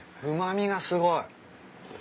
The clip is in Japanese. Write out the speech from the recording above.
うま味がすごい。